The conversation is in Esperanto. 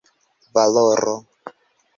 valoro